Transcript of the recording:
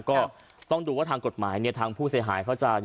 ก็ต้องดูว่าทางกฎหมายนี่ทางผู้เศรษฐายเขาจะยังไงต่อ